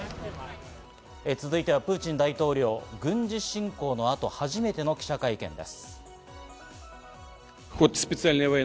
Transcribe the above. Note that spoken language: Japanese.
続いてはプーチン大統領、軍事侵攻の後、初めての記者会見です。